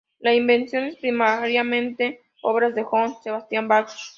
La invención es primariamente obra de Johann Sebastian Bach.